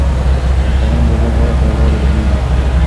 د ترنګ اوبه غاړه تر غاړې بهېږي.